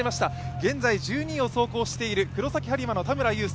現在１２位を走行している黒崎播磨の田村友佑。